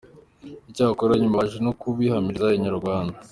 Icyakora nyuma baje no kubihamiriza Inyarwanda.